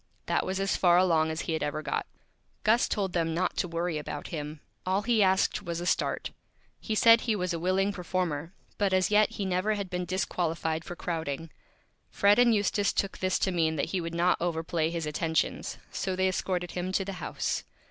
That was as Far Along as he had ever got. Gus told them not to Worry about him. All he asked was a Start. He said he was a Willing Performer, but as yet he never had been Disqualified for Crowding. Fred and Eustace took this to mean that he would not Overplay his Attentions, so they escorted him to the House.